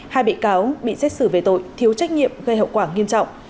hai bị cáo bị xét xử về tội thiếu trách nhiệm gây hậu quả nghiêm trọng